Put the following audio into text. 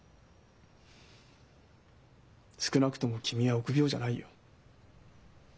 少なくとも君は臆病じゃないよ。